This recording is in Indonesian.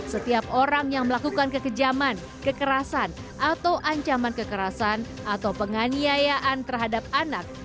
setiap orang yang melakukan kekejaman kekerasan atau ancaman kekerasan atau penganiayaan terhadap anak